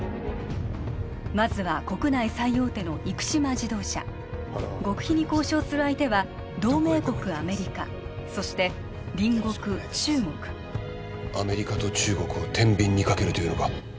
まずは国内最大手の生島自動車極秘に交渉する相手は同盟国アメリカそして隣国中国アメリカと中国を天秤にかけるというのか？